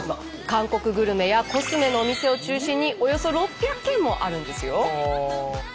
韓国グルメやコスメのお店を中心におよそ６００軒もあるんですよ。